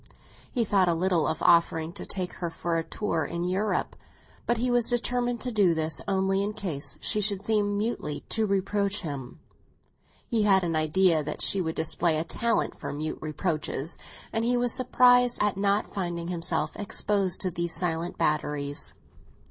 He thought a little of offering to take her for a tour in Europe; but he was determined to do this only in case she should seem mutely to reproach him. He had an idea that she would display a talent for mute reproaches, and he was surprised at not finding himself exposed to these silent batteries.